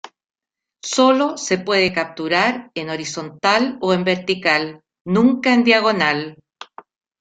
Sólo se puede capturar en horizontal o en vertical, nunca en diagonal.